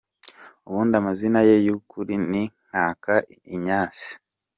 Ubundi amazina ye y’ukuri ni Nkaka Ignace.